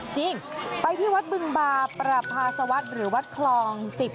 จริงไปที่วัดบึงบาประพาสวัสดิ์หรือวัดคลอง๑๐